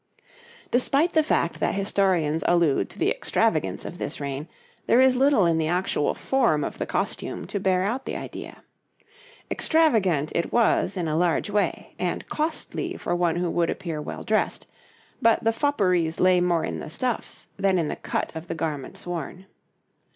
}] Despite the fact that historians allude to the extravagance of this reign, there is little in the actual form of the costume to bear out the idea. Extravagant it was in a large way, and costly for one who would appear well dressed; but the fopperies lay more in the stuffs than in the cut of the garments worn.